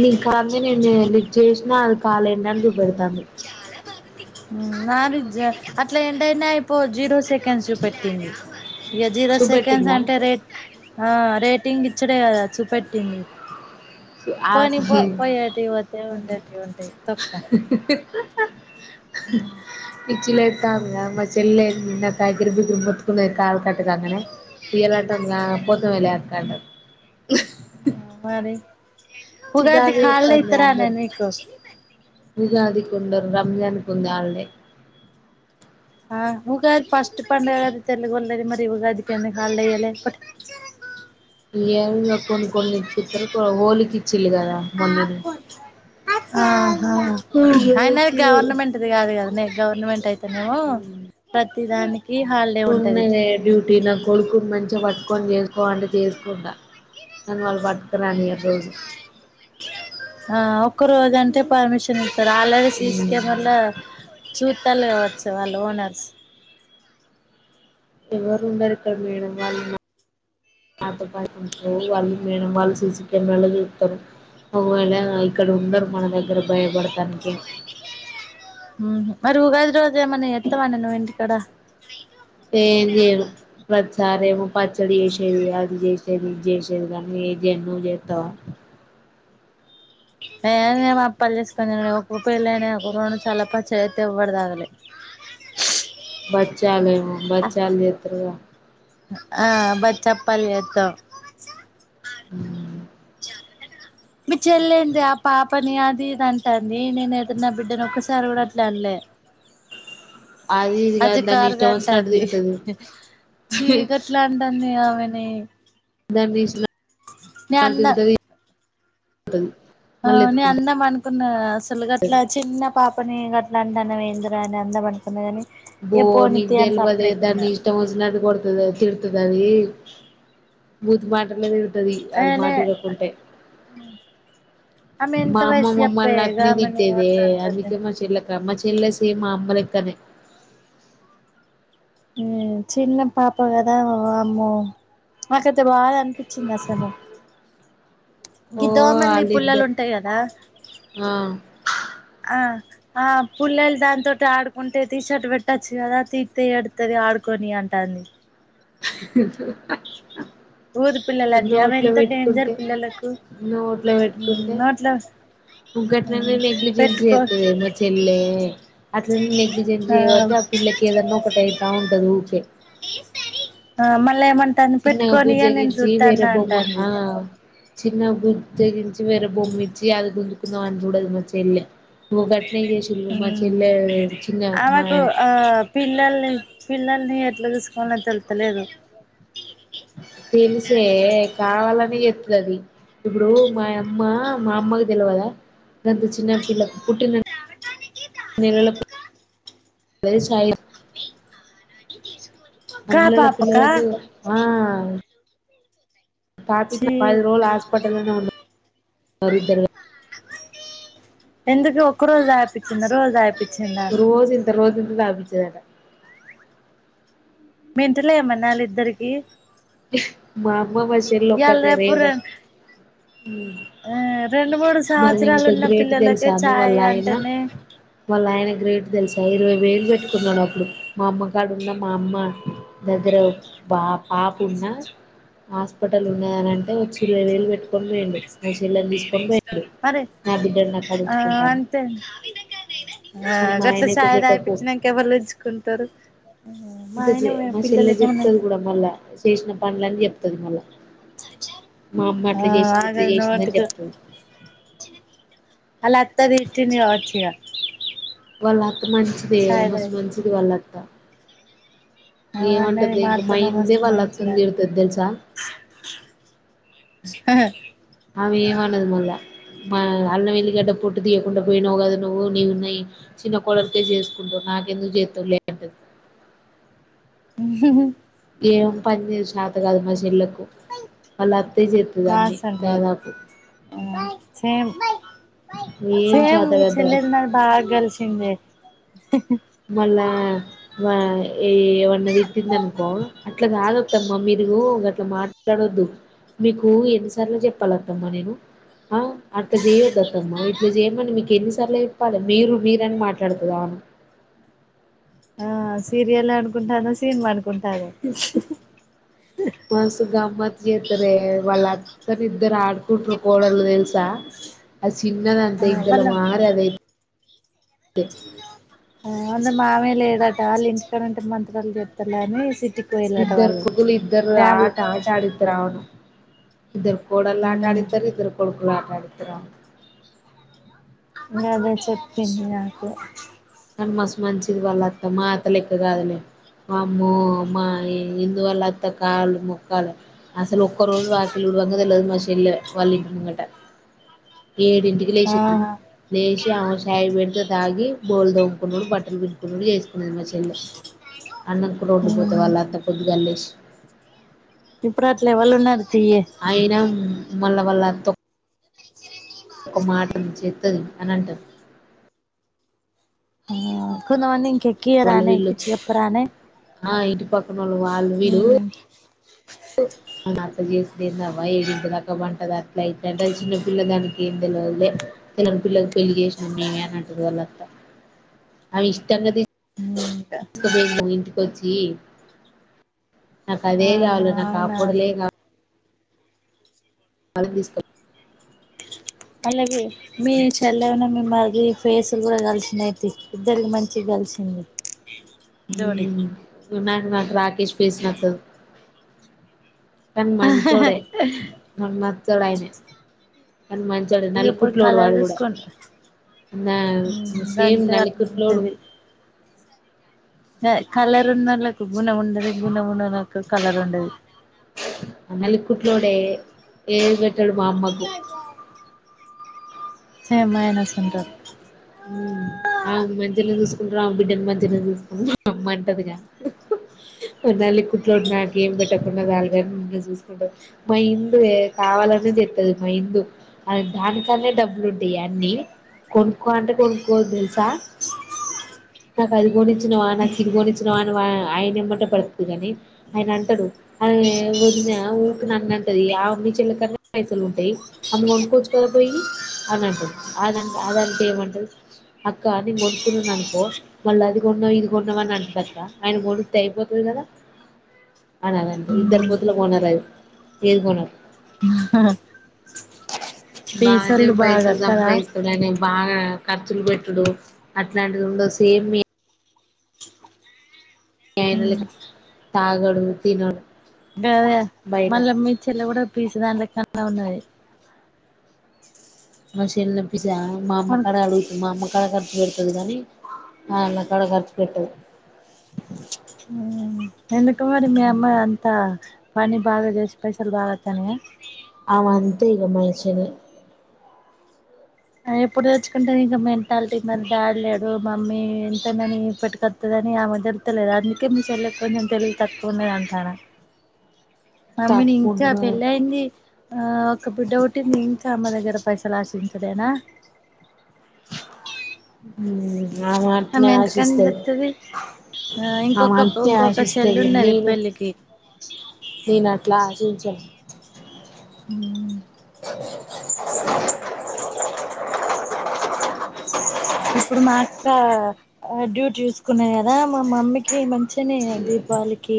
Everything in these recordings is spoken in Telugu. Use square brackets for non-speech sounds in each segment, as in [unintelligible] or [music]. నీ కాంది నేను నీక్ చేసినా అది కాలెండ్ అని చూపెడతాంది నారిజ్జ అట్ల ఎండైనా అయిపో జీరో సె చూపెట్టింది వ జీరో సెకండ్స్ చూపెట్టిందా అంటే రే ఆ రేటింగ్ ఇచ్చడే కదా చూపెట్టింది ఆ పోనిపో పోయేటి పోతే ఉండేటి ఉంటయి తొక్క పిచ్చి లేత్తాందిగా మా చెల్లె నిన్న [inaudible] బతుకున్న కాలు కట్టటుగాంగానే ఇలాటంలా పోత వెలిక్కంట [inaudible] మరి ఉగాదికి చికాకు హాలిడే లేత్తాంది ఇత్తరనీ అందరికి నీకు ఉగాదికి ఉండదు రంజానుకి ఉంది హాలిడే ఆ ఉగాది ఫస్ట్ పండగ కదా తెల్లుగుగొళ్ళది మరి ఉగాది కి ఎందుకు హాలిడే ఇవ్వలే ఆ ఏగా కొన్ని కొన్ని ఇంటికి ఇస్తారు హోలికి ఇచ్చిళ కదా మొన్ననే [inaudible] ఆహ అయినది ఉగాదికి గవర్నమెంట్ది కాదు కదనే గవర్నమెంట్ అయితే ను ప్రతి దానికి హాలిడే ఉంటది ఉన్నది డ్యూటీ నా కొడుకుని మంచిగా పట్టు పట్టుకొని చేస్కో అంతే చేసుకుంటా కానీ వాళ్ళు పట్టుకరానియరు రోజు [unintelligible] ఆ ఒక్క రోజు అంటే పర్మిషన్ ఇస్తారు ఆల్రెడీ సిసి కెమరాలో చూసి తెలగవచ్చు వాళ్ళు ఓనర్స్ ఎవరు ఉండరిక్కడ వమేడమ్ వాళ్ళు నాతో పాటు ఉంటారు మేడేమ్ వాళ్ళు సీసీ కెమెరాల్లో చూస్తారు ఒకవేళ ఇక్కడ ఉండరు మన దగ్గర భయపడటానికి మరి ఉగాది రోజు ఏమన్నా ఎత్తవా నే నువ్వు ఇంటికాడ ఏం చేయరు వర్క్ సరేమో పచ్చడి చేసేది అది చేసేది ఇది చేసేది కానీ ఏది ఎన్నో చేస్తావ ఏ అపలు చేసుకోని ఒక పెళ్ళని ఒక్కక్క చాలా పచ్చతే ఇవ్వడుదావలి [inaudible] బచ్చాలేమో బచ్చాలు చేస్తారుగా ఆ బచ్చప్పలి ద మీ చెల్లి ఏంది ఆ పాపని అది ఇది అంటారు ఏ నేనయితే నా బిడ్డను ఒక్కసారి కూడా అట్లా అనలే అది ఇది కాదు దాన్ని అజకార్ద ఇష్టం వచ్చినట్టు అంటంది తిడుతది చీకట్లా అంటంది ఆమె [inaudible] నీ [inaudible] నే అన్న హలో ఆ నే అందా మనకి న్న అసలు గట్లా చిన్న పాపని గట్లా అంటన వేందరా అని అందం అనుకూన కాని ఇగ ఓరని పోనీ నీకు తీ అని తెలివిలేడే సప్పుడేకున్నా దాని ఇష్టం వోచినట్లు కొడుతనా తిరుతుంది అది బూత్ మ తిడతది ఏ అది లే మాటవినకుంటే ఆమె ఎంత మా అమ్మ వయసు చెప్పే గామెను మామ్మలనేదిట్టేదే అట్లా అంటుంది అందుకే మా చెల్లే క్రమ జెలసి మా అమ్మలెక్కనే చిన్న పాప కదా అమ్మో నాకైతే బాధ అనిపిస్ చిన్న అస్సలు ఓ ఇ దోమలు పుల్లాలు ఆళ్ళిద్దరు ఉంటాయి కదా ఆ ఆ ఆ పుల్లలు దానితోటి ఆడుకుంటే తీసి అటు పెట్టొచ్చు కదా తిర్తే ఎడుతుంది ఆడుకో మీ అంటంది ఊరి [unintelligible] అ పిల్లలంటే అవి నోట్లో ఎంత డేంజర్ వెట్టుకుంటే పిల్లలకు నోట్లో వెట్టుకుంటే నోట్లో ఉ గట్లనే నెగ్లిజెన్సీ పెట్టుకో జేతదే మా చెల్లె అట్లని నెగ్లిజెన్స్ జేయబట్టి ఆ పిల్లకి ఏదన్నా ఒకటైతా ఉంటది ఊకే ఆ మళ్ళీ ఏమంటంది చిన్నగా పెట్టుకొనియ నేన్ బుజ్జగించి జూతన్న అంటంది చిన్న గు తెగించి వేరే బొమ్మి ఇచ్చి అది గుంజుకుందాం అని చూడదు మా చెల్య ము బట్ ఊమ్ మా ఆమకు ఆ పిల్లలు పిల్లల్ని ఎట్లా సుసుకోవాలో తెలుతలేదు తెలిసే కావాలనే సేస్తది అది ఇప్పుడు మా యమ్మ మా అమ్మకు దెలవదా దంత చిన్న పిల్లకు పుట్టిన నెలల పి యేసయం కా అంనేల్ల పాపకా పిల్లలకు ఆ టాపిక్ ఛీ పది రోజులు హాస్పిటల్నే వున్నరు ఇద్దరు ఎందుకు ఒక రోజు దాపిచ్చింది రోజు దాపించిందా రోజింత దాపిచ్చేదంట మెంటలా ఏమన్నా ఆళ్ళిద్దరికి హ్ మా అమ్మ మ షెల్ల లో ఒక్క రేపు రె రేదక్ ఊమ్ ఆ రెండు మూడు మళ్ళీ సంవత్సరాలు ఇంకా ఉన్న గ్రేట్ పిల్లలకే తెలుసా మీ ఛాయ్ వాళ్ళ ఆయన అంటేనే వాళ్ళ ఆయన గ్రేట్ తెలుసా ఇరవై వేలు వెట్టుకున్నడు అప్పుడు మా అమ్మగడు ఉన్న మా అమ్మ దగ్గర బ పాప్ వున్నా హాస్పిటల్ ఉన్నదనంటే వచ్చి ఇరవై వేలు వెట్టు అరె నా బిడ్డను నాకు ఆ అడుచుకుంటాను అంతే ఆ మరి మా గట్లా ఆయన అయితే ఛాయ్ పెట్టకు దాగిపించినాక ఎవళ్ళు ఉంచుకుంటారు ఇంకా మా చెల్ల చెప్తది కూడా మళ్ళా చేసిన పండ్లన్నీ జెప్తది మళ్ళ మా అమ్మ ఆ అట్లా జేసింది ఇట్లా ఆగదు జేసిందని నోటితో చెప్తుంది అలా అత్త దిట్టింది గావచ్చిఇక వాళ్ళ అత్త మంచిది మస్తు మంచిది వాళ్ళత్త ఆమె అన్నది ఏమంటది మా ఇంకా అత్తమ్మ మైందే మస్తు వాళ్ళ అత్తని తిడతాది తెలుసా ఆ ఆమె ఏమనదు మళ్ళా మా అలం ఎల్లిగడ్డ పొట్టు తీయకుండా పోయినావు గద నువ్వు నీవు నీ చిన్న కోడల్కె జేసుకుంటా నాక ఎందు జేతవులే అంటది [unintelligible] ఏం పని జేయ శాత కాదు మ శెళ్లకు అళ అత్తే జెప్తది అనీ మాస్ అంటది దాదాపు సేమ్ ఏం సేమ్ మీ చేతకాదు దానికి చెల్లది నాది బా గలసిందే మళ్ళా ఆ ఏ ఏమన్నది తిట్టిందనుకో అట్లా కాదు అత్తమ్మ మీరు మీరు గట్లా మాట్లాడొద్దు మీకు ఎన్నిసార్లు చెప్పాలత్తమ్మా నేను ఆ అట్లా చేయొదత్తమ్మా ఇట్లా చేయమని మీకు ఎన్నిసార్లు జెప్పాలే మీరు మీరని మాట్లాడుతదా అ ఆ సీరియల్ అనుకుంటదో సినిమా అనుకుంటదొ జెస్తారే వాళ్ళ అత్తను ఇద్దరు ఆడుకుట్రూ కోడల్ దెల్సా అ సి ఆ తిన్నదంతా ఇద్దలో వాళ్ళ మారదె ది అందు మామే లేడట ఆల్లింటికాడుంటే మంత్రాలు జేతలని సిర్ తిట్టి పోయిలాట ఇద్దరు వాళ్లు కొడుకులు ఇద్దరు ఏ ఆగు ఆట ఆట ఆడిత్తరు అవును ఇద్దరు కోడల్ ఆట ఆడితరు ఇంగ ఇద్దరు కోడ్కులు ఆట ఆడితరు ఆమెని గదే చెపింది నాకు కానీ మస్ మంచిది వాళ్ళు అత్త మా అత్తలెక్క గాదులే అమ్మో మయి ఏదోవల్ల అత్త కాలు మొక్కలే అసలు ఒక్క రోజు వాకిలి వంగద లేది మా సెల్లే వాళ్ళలి మంగట [unintelligible] ఏడింటికి లేచేంది ఆహా లేచి ఆమె చై పెడితే తాగి బోల్లు దోముకున్నాడు బట్టలు పిడుకున్నాడు చేస్తుకున్నది మా చెల్లి అన్నం కూడా వండు పోతే వాళ్ళు అత్త పొద్దుగాలేసి ఇప్పుడు అట్లా ఎవలు ఉన్నారు తీయే అయినా మళ్ళా వాళ్ళ ఒక మాటలు చెత్తది అని అంటారు అనుకున్నవని కేకియా వాళ్ళు రానే వీళ్ళు కి చెప్ప రానే ఆ ఇంటి పక్కనోళ్ళు వాళ్ళు ఉమ్ నన్ను అర్ధం చేసుకునే నా వైఫ్ ఇంటిదాకా పంటది అట్లా ఇట్లాంట చిన్న పిల్ల దానికి ఏం తెలయదులే తెలవని పిల్లలకు పెళ్లి చేసినాం మేమే అని అంటుంది వాళ్ళ అత్త ఇష్టంగాది తీసు ఇంటికొచ్చి నాకు అదే ఆహా కావాలి నాకు ఆ అవునా కోడలే కావాలి ఆనందిస్తాం అలాగే మీ చెల్లి అను మీ మరిది ఫేసులు కూడా కలిసినయితే ఇద్దరికి మంచిగా తెలిసింది ఉమ్ నాకు నాకు రాకేష్ పేస్ నాతో కానీ మంచోడే మన్నచో డే ఆయిన కాని మంచోడు ఇగ నల్ల ఇప్పుడు కుట్లుడు కలర్ వాడు కూడా చూసుకోండి అ సేమ్ గంతే అట్లా నల్లకుట్లోడు ఉంటది కలర్ ఉన్నోలకు గుణం ఉండది గుణం ఉన్నోలకు కలర్ ఉండది అ నల్లికుట్లోడే ఏది పెట్టాడు మా అమ్మకు సేమ్ మైనస్ ఉంటాడు ఉమ్ ఆ మంచిగనే చూసుకుంటారు ఆ బిడ్డని మంచిగనే చూసుకుంట అమ్మ అంటదిగా నల్లి కుట్లోడు నాకు ఏం పెట్టకుండా వాళ్ళ చూసుకుంటారు మా ఇందు ఏ కావాలనే చేస్తది మా ఇందు అ దానికడనే డబ్బులు ఉంటేయి అన్ని కొ కో అంటే కొనుకోద్దు తెలుసా అ నాకు అది కోనిచ్చినవా నాకు ఇది కోనిచ్చినవా అని ఆయన ఎమ్మట పడుతుంది కాని ఆయన అంటాడు వదిన ఊరికిని అన్నంటది ఆ అమ్మ చెల్లకన్నా పైసలు ఉంటాయి అమ్మె కోనుకొచ్చుకదా పోయి అని అంటది అదంత అది చేమంటది అక్క నేను కొనుక్కున్నాను అనుకో మళ్ళ అది కొన్నావు ఇది కొన్నావు అని అంటది అక్క ఆయన మొలుతే అయిపోతుంది కదా అనదండి ఇద్దరు పోూతులో కోనారు అది ఏది ప కోనరు బానే పీసోళ్ళు బాగా పైసలు కదా సంపాదిస్త గానే బాగా ఖర్చులు పెట్టుడు అట్లాంటిది ఉండదు సేమ్ మి ఏమి లే ఉమ్ తాగడు తినడు గదే బయట మళ్ళా మి చెల్లి కూడా పీచ్చి దాన్ని లేకన్నా ఉన్నది మా చెల్లి పిచ్చిదా మా అమ్మ కాడ అడుగుతు మా అమ్మ చానా ఖర్చు పెడతది కానీ ఆళ్ళ దగ్గర ఖర్చు పెట్టదు ఉమ్ ఎందుకు మరి మీ అమ్మ అంతా పని బాగా చేసి పైసల్ బాగా వస్తునాయ అమె అంతే ఇక మంచలే ఎప్పుడు తెచ్చుకుంటే ఇంక మెంటాలిటీ దాడలేడు మమ్మీ ఎంతనని ఇప్పటిక వస్తుదని ఆమె దలుతలేదు అందుకే మీ చెల్ల కొంచెం నేను తెలివి తక్కువన్నా అంటానా అమ్మని తక్కువ ఇంకా ఉండడం పెళ్ళి అయింది ఆ ఒక బిడ్డ పుట్టింది ఇంకా అమ్మ దగ్గర పైసలు ఆశించి ఉట్టిదెనా ఉమ్ ఆమె అటనే ఎంతకని ఆశిస్తాది తెత్తది ఆ ఆమె ఇంకొక అట్లా ఇంకొక చెల్లి ఆశిస్తదిలే ఉన్నది నీను పెళ్ళికి నేను అట్లా ఆశించను ఉమ్ ఇప్పుడు మా అక్క డ్యూటీ చూసుకున్నాయి కదా మా మమ్మీకి మంచిగానే అంది వాళ్ళకి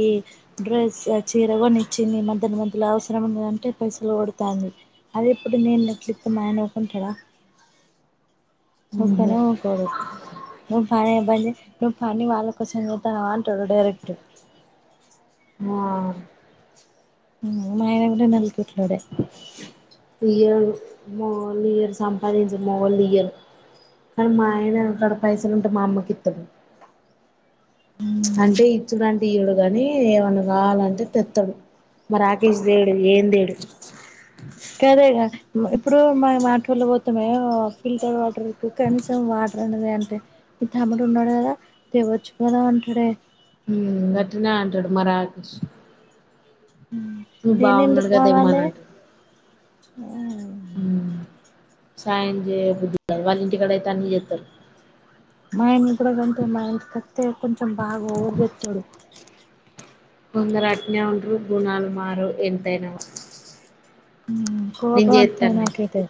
డ్రెస్ చీర గొనిచ్చింది మంతుల మంతుల అవసరం అంటే పైసలు కొడతా అంది అదిప్పుడు [inaudible] కుంటాడా ముక్కనే ఊకోడు నువ్వు పని ఇబ్బంది నువ్వు పని వాళ్ళ కోసం చేత్తావా అంటాడు డైరెక్ట్ [unintelligible] ఉమ్ మా అయన కూడా నలికిట్లోడే ఇయ్యరు మొగోళ్ళు ఇయ్యరు సంపాదించే మొగోళ్ళు ఇయ్యరు కానీ మా ఆయన అక్కడ పైసలుంటే మా అమ్మకిత్తడు అంటే ఇచ్చుడుంటే ఈడో గానీ ఏమన్నా కావాలంటే తెత్తాడు మా రాకేష్ దేడు ఏం దేడు కదే గదా ట్లు ఇప్పుడు మనం ఆటోలో పోతామే ఆ ఫిల్టర్డ్ వాటర్ [inaudible] కనీసం వాటర్ అన్నా దే అంటే మీ తమ్ముడు ఉన్నాడు కదా తేవచ్చు కదా అంటాడే ఊ గట్టనే అంటాడు మా రాకేష్ ఊ నువ్వు నేనెందుకు బాగున్నాడు కదా ఇమ్మని పోవాలె అంటాడు ఆం హ్మ్ సాయం జేయ బుద్ధి గాదు వాళింటికాడైతే అన్నీ చేత్తారు తే కొంచెం బాగా ఓవర్ చేత్తాడు కొందరు అట్నే ఉంట్రు గుణాలు మారవు ఎంతైనా ఊ నేను కోపం వత్తాది చేత్తన్నే నాకైతే